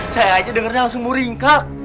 saya aja dengarnya langsung muringka